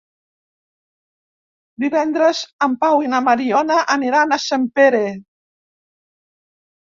Divendres en Pau i na Mariona aniran a Sempere.